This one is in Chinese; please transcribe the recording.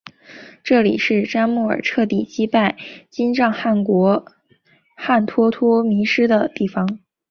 这里是帖木儿彻底击败金帐汗国汗脱脱迷失的地方。